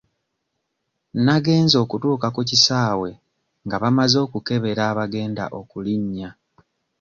Nagenze okutuuka ku kisaawe nga bamaze okukebera abagenda okulinnya.